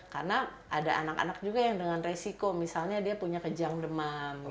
karena ada anak anak juga yang dengan resiko misalnya dia punya kejang demam